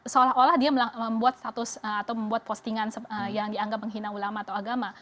seolah olah dia membuat status atau membuat postingan yang dianggap menghina ulama atau agama